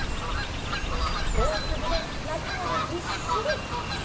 大粒で中までぎっしり！